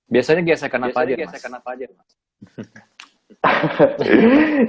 biasanya gesekan apa aja mas